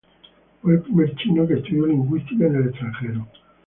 Fue el primer chino que estudió lingüística en el extranjero.